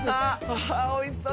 あおいしそう。